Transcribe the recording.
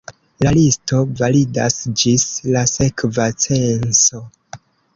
La listo validas ĝis la sekva censo.